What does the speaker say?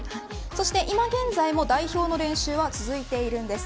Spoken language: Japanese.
そして今現在も代表の練習は続いているんです。